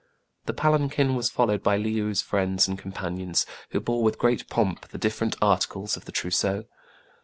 The palanquin was followed by Le ou*s friends and companions, who bore with great pomp the different articles of the trousseau.